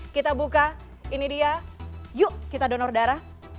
kita buka ini dia yuk kita donor darah